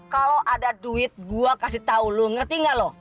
kalau ada duit gua kasih tau lo ngerti gak loh